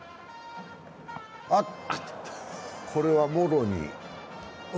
あ、これはもろに。